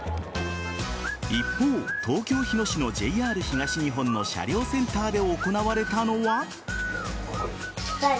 一方、東京・日野市のＪＲ東日本の車両センターで行われたのは。